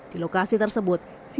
di lokasi tersebut sinyal diperkecil